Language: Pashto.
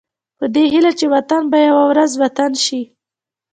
په دې هيله چې وطن به يوه ورځ وطن شي.